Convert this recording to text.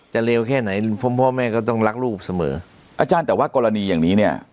เลวแค่ไหนเพราะพ่อแม่ก็ต้องรักลูกเสมออาจารย์แต่ว่ากรณีอย่างนี้เนี่ย